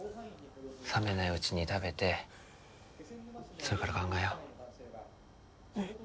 冷めないうちに食べてそれから考えよう。